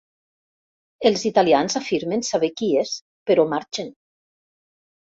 Els italians afirmen saber qui és però marxen.